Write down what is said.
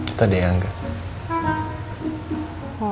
itu ada yang anggap